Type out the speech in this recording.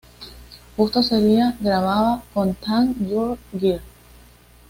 Justo sería grabada con Thank You Girl.